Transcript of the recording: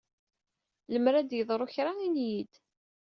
Lemmer ad yeḍru kra, ini-iyi-d.